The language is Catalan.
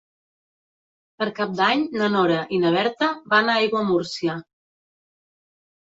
Per Cap d'Any na Nora i na Berta van a Aiguamúrcia.